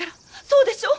そうでしょ？